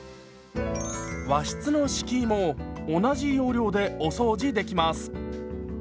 和室の敷居も同じ要領でお掃除できます。